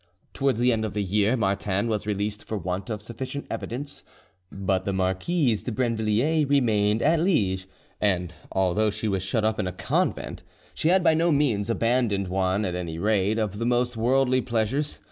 Towards the end of the year Martin was released for want of sufficient evidence. But the Marquise de Brinvilliers remained at Liege, and although she was shut up in a convent she had by no means abandoned one, at any rate, of the most worldly pleasures.